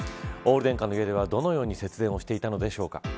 オール電化の家ではどのように節電をしていたのでしょうか。